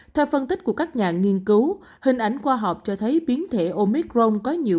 theo phân tích của các nhà nghiên cứu hình ảnh khoa học cho thấy biến thể omicron có nhiều